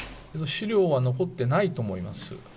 資料は残ってないと思います。